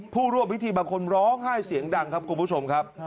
ผู้ร่วมพิธีบางคนร้องไห้เสียงดังครับคุณผู้ชมครับ